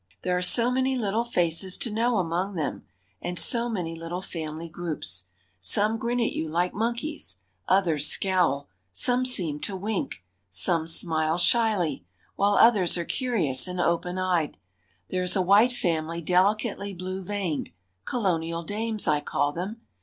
There are so many little faces to know among them, and so many little family groups. Some grin at you like monkeys, others scowl, some seem to wink, some smile shyly, while others are curious and open eyed. There is a white family delicately blue veined—Colonial Dames, I call them.